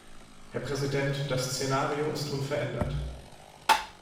Herr Präsident, das Szenario ist unverändert.